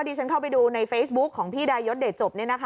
ที่ฉันเข้าไปดูในเฟซบุ๊คของพี่ดายศเดชจบ